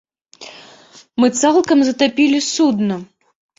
Мы цалкам затапілі судна!